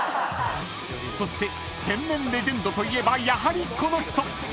［そして天然レジェンドといえばやはりこの人］